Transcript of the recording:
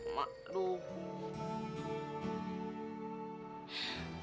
tunggu uh fungsinya